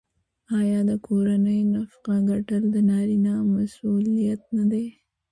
آیا د کورنۍ نفقه ګټل د نارینه مسوولیت نه دی؟